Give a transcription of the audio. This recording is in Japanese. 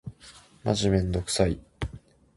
マジめんどくさい。